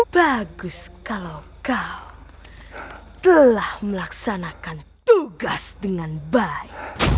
bagus kalau kau telah melaksanakan tugas dengan baik